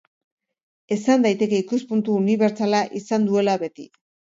Esan daiteke ikuspuntu unibertsala izan duela beti.